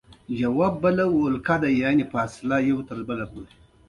چې دوی غربي اروپا ته تیرول.